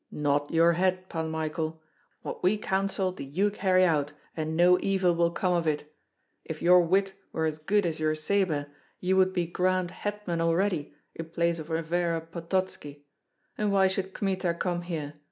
"Not your head, Pan Michael. What we counsel do you carry out, and no evil will come of it. If your wit were as good as your sabre, you would be grand hetman already, in place of Revera Pototski. And why should Kmita come here?